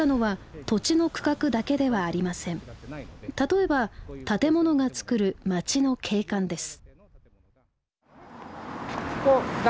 例えば建物がつくる街の景観です。